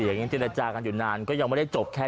งั้นหนูสั่งก๋วยเตี๋ยวละกัน